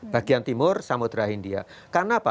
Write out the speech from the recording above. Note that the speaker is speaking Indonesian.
bagian timur samudera india